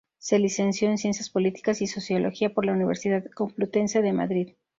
Se licenció en Ciencias políticas y Sociología por la Universidad Complutense de Madrid.